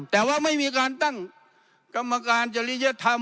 แต่ว่าไม่มีการตั้งกรรมการจริยธรรม